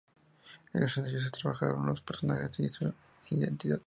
En los ensayos se trabajaron los personajes y su identidad.